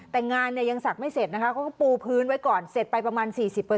แต่งานเนี่ยยังศักดิ์ไม่เสร็จนะคะเขาก็ปูพื้นไว้ก่อนเสร็จไปประมาณ๔๐